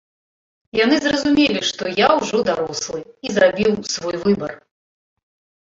Яны зразумелі, што я ўжо дарослы, і зрабіў свой выбар.